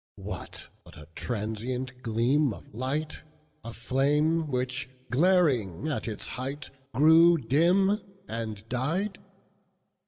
What, but a transient gleam of light,A flame, which, glaring at its height, Grew dim and died?